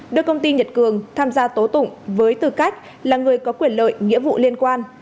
đưa công ty nhật cường tham gia tố tụng với tư cách là người có quyền lợi nghĩa vụ liên quan